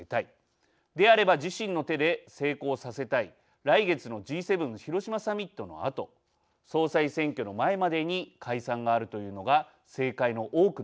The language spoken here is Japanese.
であれば自身の手で成功させたい来月のＧ７広島サミットのあと総裁選挙の前までに解散があるというのが政界の多くの見方です。